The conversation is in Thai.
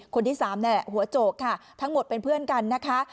คนที่สามเนี่ยหัวโจกค่ะทั้งหมดเป็นเพื่อนกันนะคะ